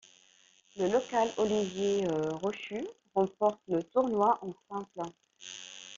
Le local Olivier Rochus remporte le tournoi en simple.